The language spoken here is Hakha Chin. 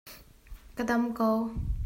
Ka dam ko.